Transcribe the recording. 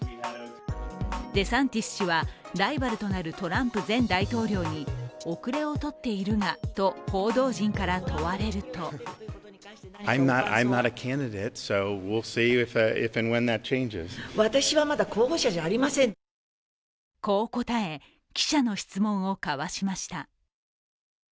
デサンティス氏はライバルとなるトランプ前大統領に遅れをとっているがと報道陣から問われるとこう答え、記者の質問をかわしました。